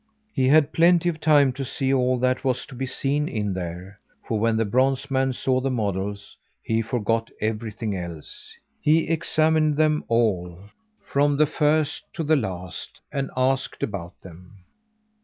He had plenty of time to see all that was to be seen in there; for when the bronze man saw the models, he forgot everything else. He examined them all, from the first to the last, and asked about them.